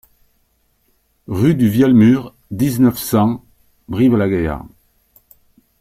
Rue du Vialmur, dix-neuf, cent Brive-la-Gaillarde